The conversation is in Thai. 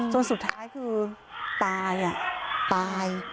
จนสุดท้ายคือตายตาย